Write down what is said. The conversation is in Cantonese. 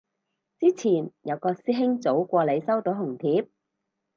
之前有個師兄早過你收到紅帖